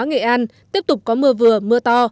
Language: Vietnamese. nghệ an tiếp tục có mưa vừa mưa to